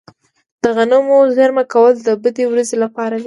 د غنمو زیرمه کول د بدې ورځې لپاره دي.